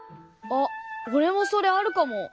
おれもそれあるかも！